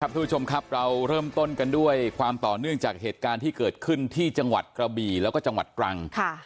ทุกผู้ชมครับเราเริ่มต้นกันด้วยความต่อเนื่องจากเหตุการณ์ที่เกิดขึ้นที่จังหวัดกระบี่แล้วก็จังหวัดตรัง